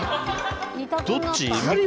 どっち？